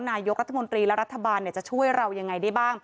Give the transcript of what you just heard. นายกรัฐมนตรีและรัฐบาลจะช่วยเรายังไงได้บ้าง